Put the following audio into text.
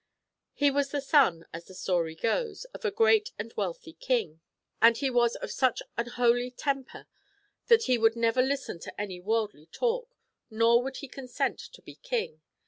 He was the son, as their story goes, of a great and wealthy king. And he was of such an holy temper that he would never listen to any worldly talk, nor would he con sent to be king.